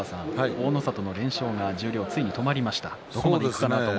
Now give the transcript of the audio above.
大の里の連勝がついに止まりました。